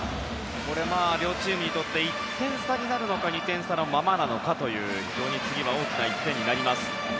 両チームにとって１点差になるのか２点差のままなのかという次は大きな１点になります。